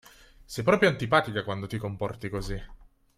Sei proprio antipatica quando ti comporti così.